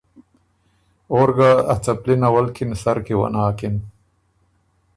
اور ګۀ ا څپلی نولکِن سر کی وه ناکِن